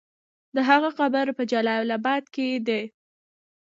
د هغه قبر په جلال اباد کې دی.